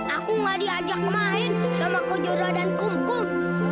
aku gak diajak main sama kojura dan kumkum